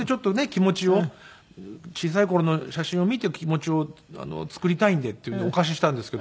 気持ちを小さい頃の写真を見て気持ちを作りたいんで」って言うんでお貸ししたんですけど。